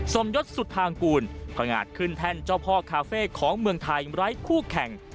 สมยศสุธางกูลพงาดขึ้นแท่นเจ้าพ่อคาเฟ่ของเมืองไทยไร้คู่แข่ง